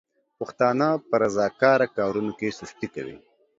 پښتانه په رضاکاره کارونو کې سستي کوي.